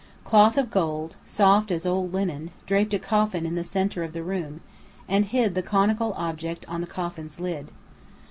Cloth of gold, soft as old linen, draped a coffin in the centre of the room, and hid the conical object on the coffin's lid.